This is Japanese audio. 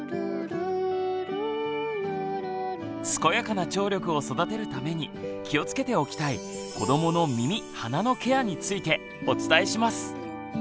健やかな聴力を育てるために気をつけておきたい子どもの耳・鼻のケアについてお伝えします。